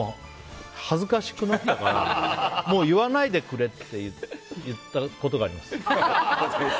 恥ずかしくなったからもう言わないでくれって言ったことがあります。